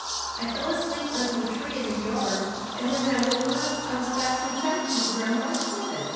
I fell asleep under the tree in the yard, and when I woke up I was fastened tight to the ground by threads.